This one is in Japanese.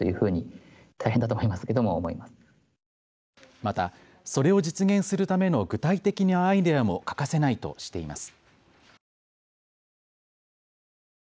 また、それを実現するための具体的なアイデアも欠かせないとしています。